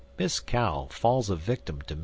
IX. MISS COW FALLS A VICTIM TO MR.